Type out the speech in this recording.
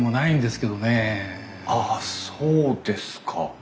あそうですか。